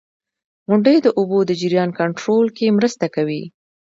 • غونډۍ د اوبو د جریان کنټرول کې مرسته کوي.